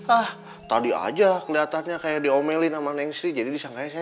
ah tadi aja kelihatannya kayak diomelin sama neng sri jadi disangka sangka aja ya